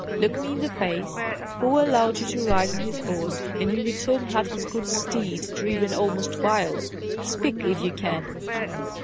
Look me in the face: who allowed you to ride on his horse, and in return had his good steed driven almost wild? Speak, if you can!"